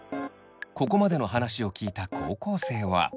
ここまでの話を聞いた高校生は。